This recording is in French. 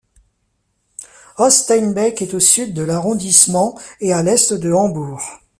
Oststeinbek est au sud de l'arrondissement et à l'est de Hambourg.